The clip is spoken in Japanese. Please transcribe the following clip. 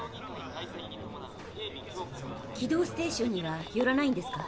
軌道ステーションには寄らないんですか？